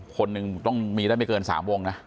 คนหนึ่งจะไม่เกิน๓วงนะ